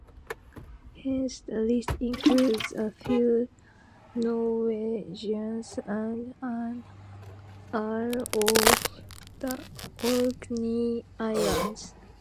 Hence the list includes a few Norwegians and an earl of the Orkney Islands.